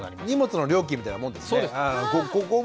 荷物の料金みたいなもんですね。